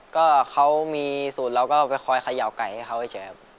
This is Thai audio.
ก็เขามีสูตรเราก็ไปคอยเขย่าไก่ให้เขาเฉยครับ